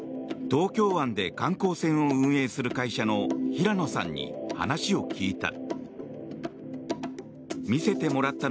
東京湾で観光船を運営する会社のジールさんに話を聞いた。